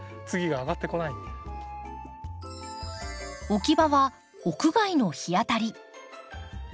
置き場は屋外の日当たり。